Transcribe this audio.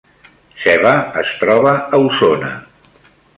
Seva es troba a Osona